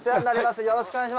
よろしくお願いします。